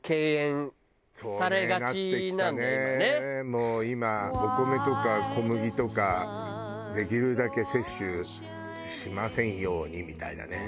もう今お米とか小麦とかできるだけ摂取しませんようにみたいなね。